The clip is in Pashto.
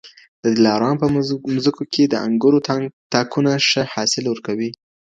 د دلارام په مځکو کي د انګورو تاکونه ښه حاصل ورکوي